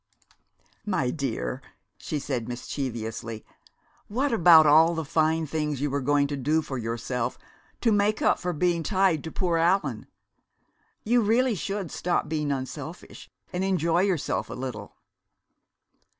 "My dear," she said mischievously, "what about all the fine things you were going to do for yourself to make up for being tied to poor Allan? You should really stop being unselfish, and enjoy yourself a little."